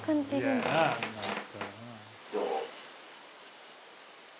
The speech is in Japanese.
どう？